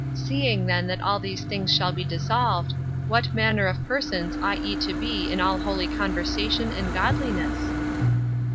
Seeing then that all these things shall be dissolved, what manner of persons ought ye to be in all holy conversation and godliness?"